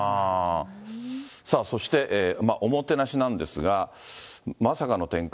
そして、おもてなしなんですが、まさかの展開。